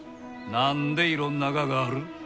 何でいろんなががある？